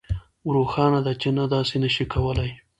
روښانه ده چې نه داسې نشئ کولی